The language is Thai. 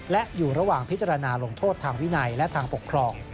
และอยู่ระหว่างพิจารณาลงโทษทางวินัยและทางปกครอง